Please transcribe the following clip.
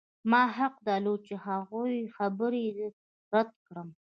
ما حق درلود چې د هغوی خبره رد کړم